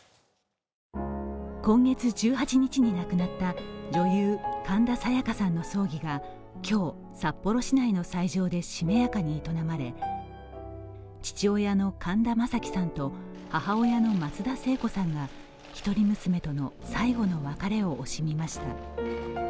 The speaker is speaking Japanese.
今月１８日に亡くなった女優・神田沙也加さんの葬儀が今日、札幌市内の斎場でしめやかに営まれ父親の神田正輝さんと、母親の松田聖子さんが一人娘との最後の別れを惜しみました。